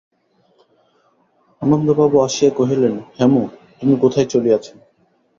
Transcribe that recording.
অন্নদাবাবু আসিয়া কহিলেন, হেম, তুমি কোথায় চলিয়াছ?